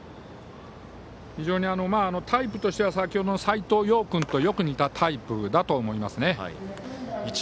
非常に、タイプとしては先ほどの斎藤蓉君とよく似たタイプだと思いますね。